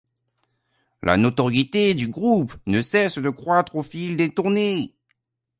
La notoriété du groupe ne cesse de croître au fil des tournées.